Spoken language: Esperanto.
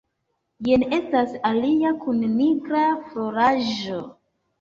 Jen estas alia kun nigra floraĵo.